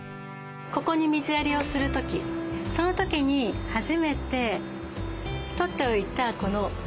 ここに水やりをする時その時に初めて取っておいたこのはす口を使います。